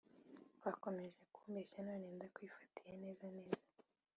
Wakomeje kumbeshya none ndakwifatiye neza neza